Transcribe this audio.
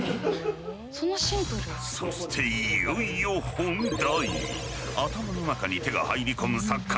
そしていよいよ本題。